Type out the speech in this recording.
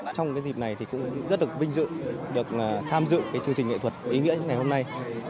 trong dịp này cũng rất được vinh dự được tham dự chương trình nghệ thuật ý nghĩa ngày hôm nay